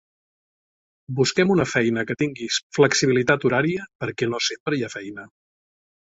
Busquem una feina que tingui flexibilitat horària, perquè no sempre hi ha feina.